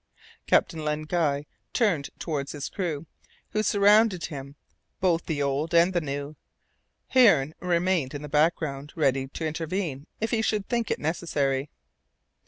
Captain Len Guy turned towards his crew, who surrounded him, both the old and the new. Hearne remained in the background, ready to intervene if he should think it necessary.